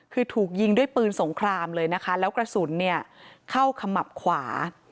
คือถูกยิงด้วยปืนสงครามเลยนะคะแล้วกระสุนเนี่ยเข้าขมับขวา